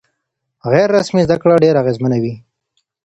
غیر رسمي زده کړه ډېره اغېزمنه وي.